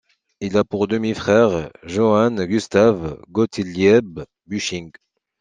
Il a pour demi-frère Johann Gustav Gottlieb Büsching.